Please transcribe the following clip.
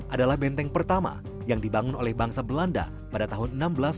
adalah benteng pertama yang dibangun oleh bangsa belanda pada tahun seribu enam ratus sembilan puluh